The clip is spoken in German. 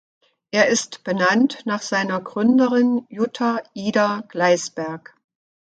Er ist benannt nach seiner Gründerin Jutta Ida Gleisberg.